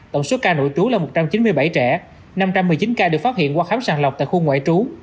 tổng số ca nội trú là một trăm chín mươi bảy trẻ năm trăm một mươi chín ca được phát hiện qua khám sàng lọc tại khu ngoại trú